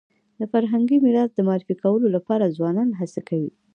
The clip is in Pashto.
د فرهنګي میراث د معرفي کولو لپاره ځوانان هڅي کوي.